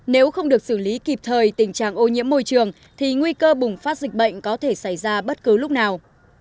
nếu không được xử lý kịp thời tình trạng ô nhiễm môi trường thì nguy cơ bùng phát dịch bệnh có thể xảy ra bất cứ lúc nào